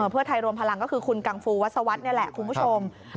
เพื่อไทยรวมพลังก็คือคุณกังฟูวัศวรรษนี่แหละคุณผู้ชม